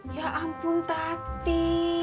ya ampun tati